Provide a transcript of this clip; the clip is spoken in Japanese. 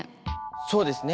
そうですね。